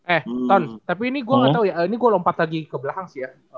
eh ton tapi ini gue gak tau ya ini gue lompat lagi ke belakang sih ya